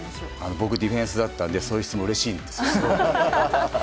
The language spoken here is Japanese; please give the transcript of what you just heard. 僕、ディフェンスだったんでそういう質問うれしいんですけど。